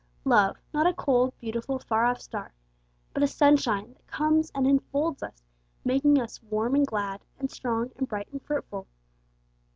Love, not a cold, beautiful, far off star, but a sunshine that comes and enfolds us, making us warm and glad, and strong and bright and fruitful.